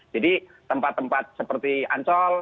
jadi tempat tempat seperti ancol